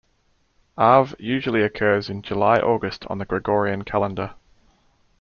Av usually occurs in July–August on the Gregorian calendar.